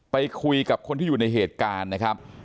ไปคุยกับคนที่อยู่ในเหตุการณ์นะครับ